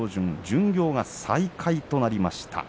巡業が再開となりました。